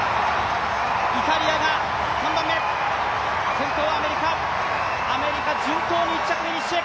先頭はアメリカ、順当に１着フィニッシュ。